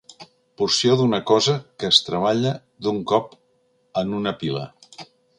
Porció d'una cosa que es treballa d'un cop en una pila.